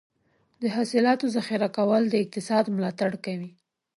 د حاصلاتو ذخیره کول د اقتصاد ملاتړ کوي.